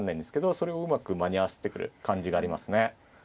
それをうまく間に合わせてくる感じがありますね。